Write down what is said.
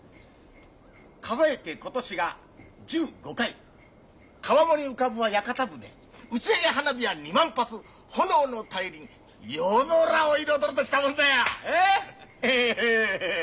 数えて今年が１５回川面に浮かぶは屋形船打ち上げ花火は２万発炎の大輪夜空を彩るときたもんだ。え！ヘヘヘヘ！